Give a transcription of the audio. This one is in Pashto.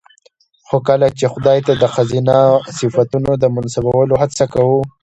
خو کله چې خداى ته د ښځينه صفتونو د منسوبولو هڅه کوو